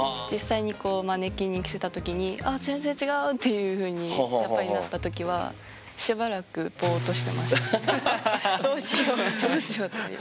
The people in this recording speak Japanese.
実際にこうマネキンに着せた時にあ全然違う！っていうふうにやっぱりなった時はしばらくどうしようって。